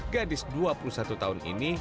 gadis dua puluh satu tahun ini